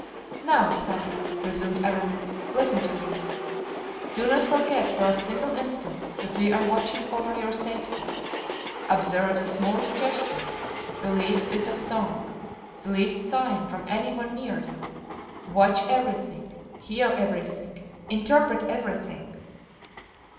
"Now, sire," resumed Aramis, "listen to me. Do not forget for a single instant that we are watching over your safety; observe the smallest gesture, the least bit of song, the least sign from any one near you; watch everything, hear everything, interpret everything."